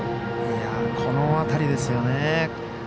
この辺りですよね。